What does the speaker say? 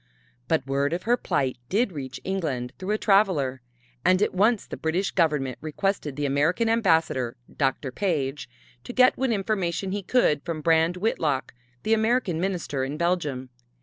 But word of her plight did reach England through a traveler, and at once the British Government requested the American Ambassador, Dr. Page, to get what information he could from Brand Whitlock, the American Minister in Belgium.